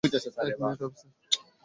এক minute, officer.